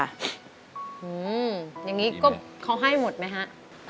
อย่างนี้ก็เขาให้หมดไหมฮะ